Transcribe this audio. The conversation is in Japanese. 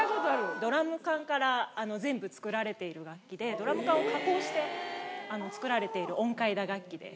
ドラム缶から全部作られている楽器で、ドラム缶を加工して作られている音階打楽器です。